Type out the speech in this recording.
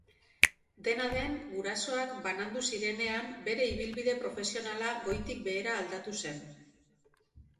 Dena den, gurasoak banandu zirenean bere ibilbide profesionala goitik behera aldatu zen.